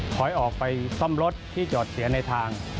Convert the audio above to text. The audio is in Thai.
ขอให้ออกไปซ่อมรถที่จอดเสียในทาง